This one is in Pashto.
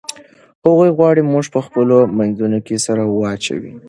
هغوی غواړي موږ په خپلو منځونو کې سره واچوي.